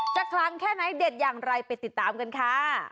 คลังแค่ไหนเด็ดอย่างไรไปติดตามกันค่ะ